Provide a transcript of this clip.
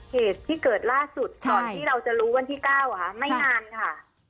เหตุที่เกิดล่าสุดก่อนที่เราจะรู้วันที่๙ค่ะไม่นานค่ะ